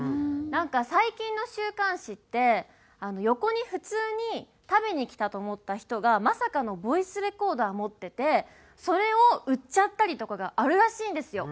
なんか最近の週刊誌って横に普通に食べに来たと思った人がまさかのボイスレコーダー持っててそれを売っちゃったりとかがあるらしいんですよ。